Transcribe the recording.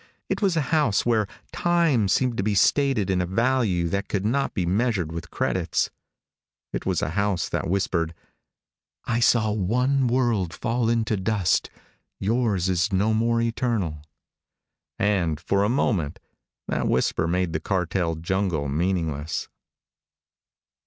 It was a house where time seemed to be stated in a value that could not be measured with credits. It was a house that whispered, "I saw one world fall into dust; yours is no more eternal" and, for a moment, that whisper made the cartel jungle meaningless.